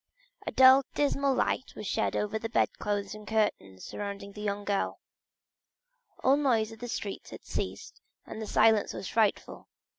A dull and dismal light was shed over the bedclothes and curtains surrounding the young girl. All noise in the streets had ceased, and the silence was frightful.